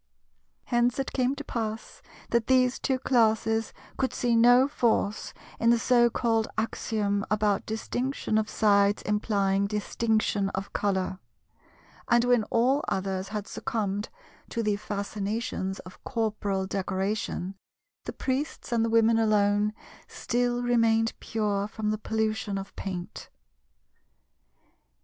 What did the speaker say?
Hence it came to pass that these two Classes could see no force in the so called axiom about "Distinction of Sides implying Distinction of Colour;" and when all others had succumbed to the fascinations of corporal decoration, the Priests and the Women alone still remained pure from the pollution of paint.